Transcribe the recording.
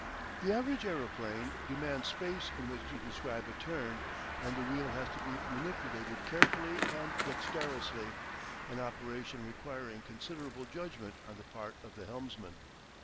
The average aeroplane demands space in which to describe a turn, and the wheel has to be manipulated carefully and dexterously, an operation requiring considerable judgment on the part of the helmsman.